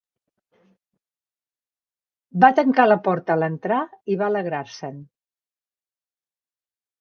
Va tancar la porta al entrar i va alegrar-se'n.